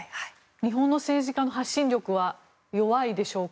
日本の政治家の発信力は弱いでしょうか。